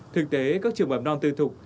thực tế các trường bầm non tư thuộc